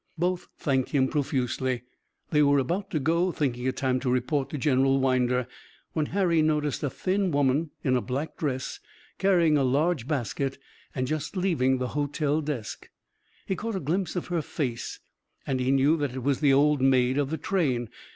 Both thanked him profusely. They were about to go, thinking it time to report to General Winder, when Harry noticed a thin woman in a black dress, carrying a large basket, and just leaving the hotel desk. He caught a glimpse of her face and he knew that it was the old maid of the train.